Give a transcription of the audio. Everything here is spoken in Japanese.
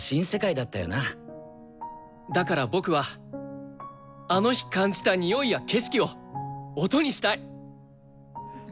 だから僕はあの日感じたにおいや景色を音にしたい。